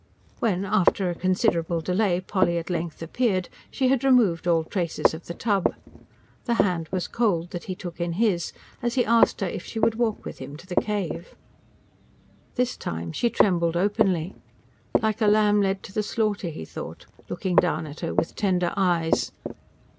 When after a considerable delay Polly at length appeared, she had removed all traces of the tub. The hand was cold that he took in his, as he asked her if she would walk with him to the cave. This time, she trembled openly. Like a lamb led to the slaughter, he thought, looking down at her with tender eyes.